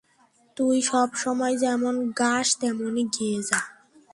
তুই সব সময় যেমন গাস, তেমনই গেয়ে যা।